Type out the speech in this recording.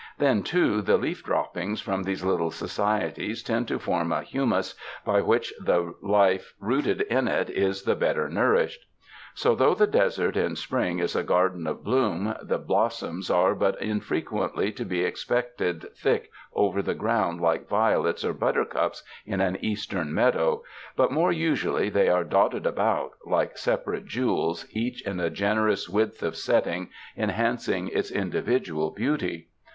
Then, too, the leaf droppings from these little societies tend to form a humus, by which the life rooted in it is the better nourished. So though the desert in spring is a garden of bloom, the blossoms are but infre quently to be expected thick over the ground like violets or buttercups in an Eastern meadow, but more usually they are dotted about, like separate jewels each in a generous width of setting, enhancing its individual beauty.